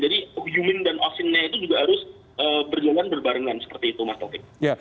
jadi yumin dan afinnya itu juga harus berjalan berbarengan seperti itu mas topik